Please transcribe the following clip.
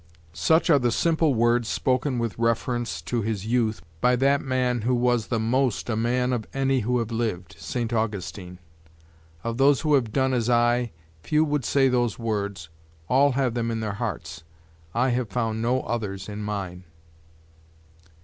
Such are the simple words spoken with reference to his youth by that man who was the most a man of any who have lived, Saint Augustine. Of those who have done as I, few would say those words, all have them in their hearts; I have found no others in mine.